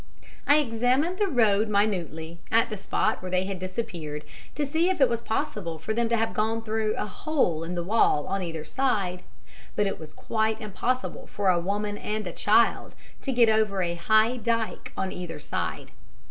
I examined the road minutely, at the spot where they had disappeared, to see if it was possible for them to have gone through a hole in the wall on either side; but it was quite impossible for a woman and a child to get over a high dyke on either side.